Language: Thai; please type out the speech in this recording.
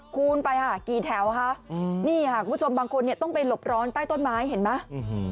คูณไปค่ะกี่แถวคะนี่ค่ะคุณผู้ชมบางคนเนี่ยต้องไปหลบร้อนใต้ต้นไม้เห็นไหม